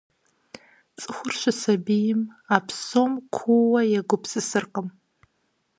Цӏыхур щысабийм а псом куууэ егупсысыркъым.